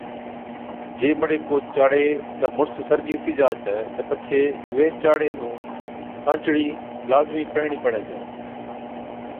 جي بڙي ڪو چاڙي چا مُڙس سرگِي ھُتِي جا ڇَي تہ پڇي ويھِچ چاڙي نُون ڪانچڙِي لازمِي پيھرڻِي پڙَي ڇَي